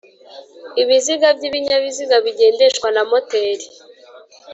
Ibiziga by'ibinyabiziga bigendeshwa na moteri